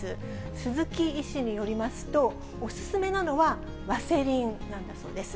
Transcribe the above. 鈴木医師によりますと、お勧めなのはワセリンなんだそうです。